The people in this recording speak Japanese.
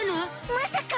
まさか。